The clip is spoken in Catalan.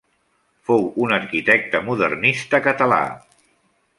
Fou un arquitecte modernista català.